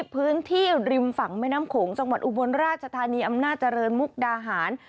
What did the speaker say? พื้นที่ริมฝั่งแม่น้ำโขงจังหวัดอุบลราชธานีอำนาจเจริญมุกดาหาร